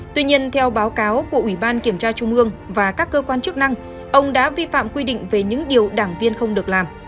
tuy nhiên theo báo cáo của ủy ban kiểm tra trung ương và các cơ quan chức năng ông đã vi phạm quy định về những điều đảng viên không được làm